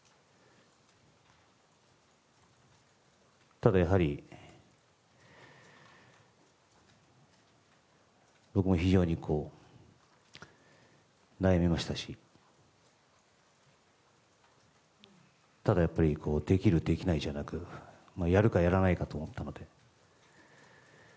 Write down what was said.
ただ、やはり僕も非常に悩みましたしできる、できないじゃなくやるかやらないかとなったので。